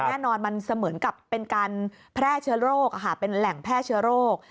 แน่นอนมันเสมือนกับเป็นการแพร่เชื้อโรคเป็นแหล่งแพร่เชื้อโรค